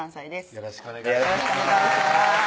よろしくお願いします